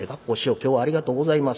今日はありがとうございます」。